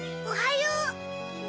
おはよう！